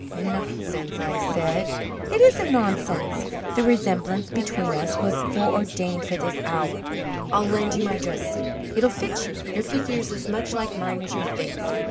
"Nonsense!" I said. "It isn't nonsense. The resemblance between us was foreordained for this hour. I'll lend you my dress suit it'll fit you your figure is as much like mine as your face.